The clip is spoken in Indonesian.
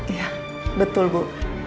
iya betul bu